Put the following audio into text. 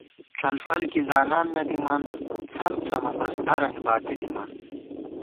ڄلفل کی زانان نہ دِمان، څھمڅھمہ بس دارَنی باتی تھِمان